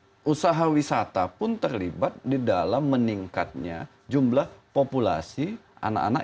jadi usaha wisata pun terlibat di dalam meningkatnya jumlah populasi anak anak